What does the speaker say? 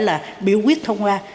đó là biểu quyết thông qua